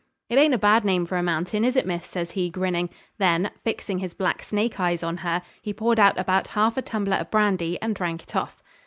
'It ain't a bad name for a mountain, is it, miss?' says he, grinning. Then, fixing his black snake's eyes on her, he poured out about half a tumbler of brandy and drank it off.